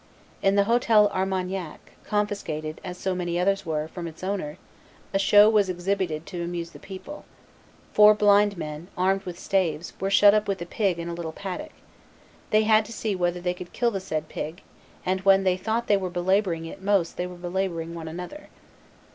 In the Hotel Armagnac, confiscated, as so many others were, from its owner, a show was exhibited to amuse the people. "Four blind men, armed with staves, were shut up with a pig in a little paddock. They had to see whether they could kill the said pig, and when they thought they were belaboring it most they were belaboring one another."